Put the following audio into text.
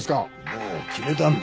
もう決めたんだ。